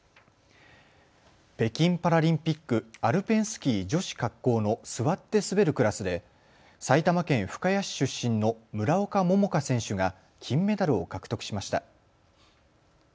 北京パラリンピック、アルペンスキー女子滑降の座って滑るクラスで埼玉県深谷市出身の村岡桃佳選手が金メダルを獲得しました。